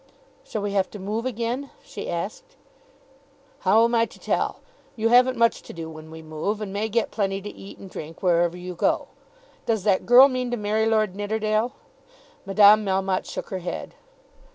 "Shall we have to move again?" she asked. "How am I to tell? You haven't much to do when we move, and may get plenty to eat and drink wherever you go. Does that girl mean to marry Lord Nidderdale?" Madame Melmotte shook her head.